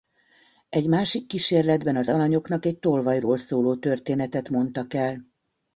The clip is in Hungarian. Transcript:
Egy másik kísérletben az alanyoknak egy tolvajról szóló történetet mondtak el.